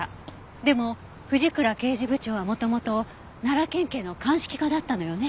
でも藤倉刑事部長は元々奈良県警の鑑識課だったのよね？